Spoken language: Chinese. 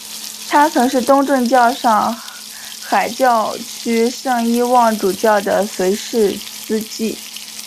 他曾是东正教上海教区圣伊望主教的随侍司祭。